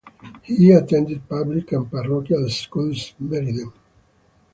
He attended public and parochial schools of Meriden.